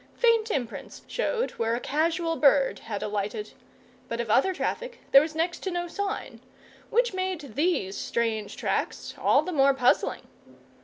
Faint imprints showed where a casual bird had alighted, but of other traffic there was next to no sign; which made these strange tracks all the more puzzling.